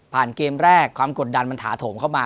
เกมแรกความกดดันมันถาโถมเข้ามา